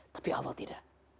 tapi allah tidak